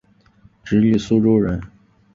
直隶苏州人。